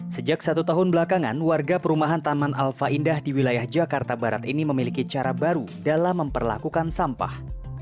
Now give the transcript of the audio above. sejak satu tahun belakangan warga perumahan taman alfa indah di wilayah jakarta barat ini memiliki cara baru dalam memperlakukan sampah